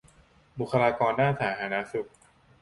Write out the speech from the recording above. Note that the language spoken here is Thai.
บุคคลากรด้านสาธารณสุข